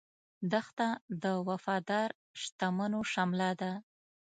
دښته د وفادار شتمنو شمله ده.